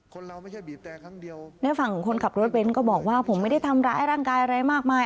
เราไม่ใช่บีบแต่ครั้งเดียวในฝั่งของคนขับรถเบนท์ก็บอกว่าผมไม่ได้ทำร้ายร่างกายอะไรมากมาย